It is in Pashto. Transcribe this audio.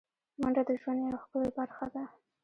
منډه د ژوند یوه ښکلی برخه ده